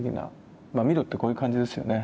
まあミロってこういう感じですよね。